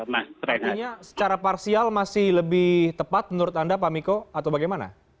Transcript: artinya secara parsial masih lebih tepat menurut anda pak miko atau bagaimana